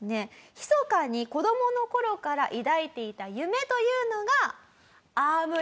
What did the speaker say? ひそかに子供の頃から抱いていた夢というのが。